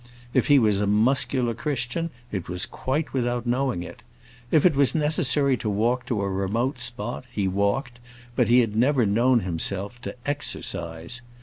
If he was a muscular Christian, it was quite without knowing it. If it was necessary to walk to a remote spot, he walked, but he had never known himself to "exercise."